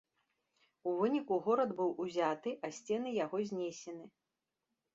У выніку горад быў узяты, а сцены яго знесены.